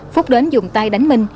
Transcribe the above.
phúc đến dùng tay đánh minh